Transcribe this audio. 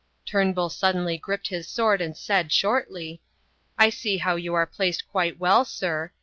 Turnbull suddenly gripped his sword and said, shortly, "I see how you are placed quite well, sir.